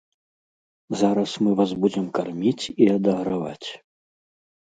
Зараз мы вас будзем карміць і адаграваць.